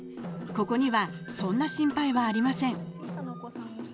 ここにはそんな心配はありません。